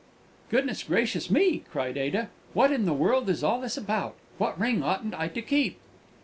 "Goodness gracious me!" cried Ada. "What in the world is all this about? What ring oughtn't I to keep?"